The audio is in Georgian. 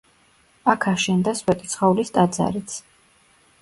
აქ აშენდა სვეტიცხოვლის ტაძარიც.